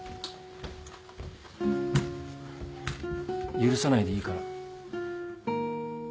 許さないでいいから。